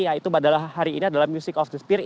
yaitu padahal hari ini adalah music of the spirit